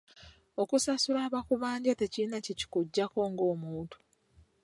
Okusasula abakubanja tekirina ky’ekikugyako ng’omuntu.